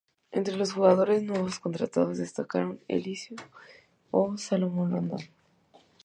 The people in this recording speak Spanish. Entre los jugadores nuevos contratados destacaron Eliseu o Salomón Rondón.